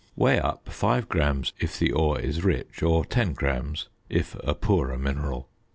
] Weigh up 5 grams, if the ore is rich, or 10 grams, if a poorer mineral.